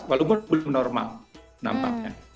walaupun belum normal nampaknya